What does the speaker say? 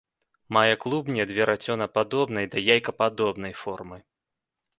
Мае клубні ад верацёнападобнай да яйкападобнай формы.